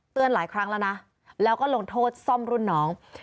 หลายครั้งแล้วนะแล้วก็ลงโทษซ่อมรุ่นน้อง